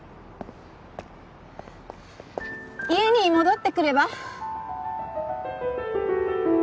家に戻ってくれば？